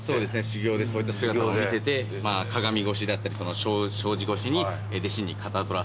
修行でそういった姿を見せてまぁ鏡越しだったり障子越しに弟子にかたどらせたと。